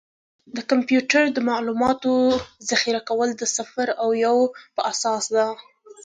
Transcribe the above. د کمپیوټر د معلوماتو ذخیره کول د صفر او یو په اساس ده.